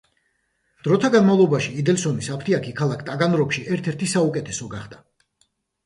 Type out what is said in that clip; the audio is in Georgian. დროთა განმავლობაში იდელსონის აფთიაქი ქალაქ ტაგანროგში ერთ-ერთი საუკეთესო გახდა.